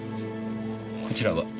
こちらは？